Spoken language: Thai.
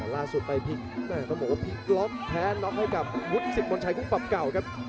ล่าสุดไปพลิกต้องบอกว่าพลิกล้อมแท้น็อคให้กับวุฒิสิกมณ์ชายกุ้งปับเก่าครับ